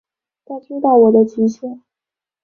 他知道我的极限